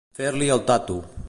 Fer-li el tato.